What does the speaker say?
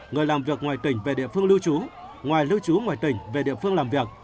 người làm việc ngoài tỉnh về địa phương lưu trú ngoài lưu trú ngoài tỉnh về địa phương làm việc